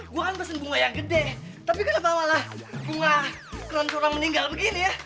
gue kan pesen bunga yang gede tapi kenapa malah bunga keroncuran meninggal begini ya